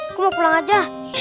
aku mau pulang aja